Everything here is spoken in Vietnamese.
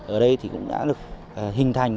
ở đây cũng đã được hình thành